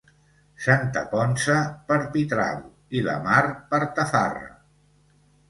Santa Ponça per pitral i la mar per tafarra!